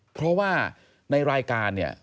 เพราะว่าในรายการเนี่ย